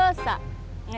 gernah banyak lahikut makanya